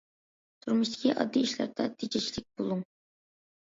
تۇرمۇشتىكى ئاددىي ئىشلاردا تېجەشلىك بولۇڭ.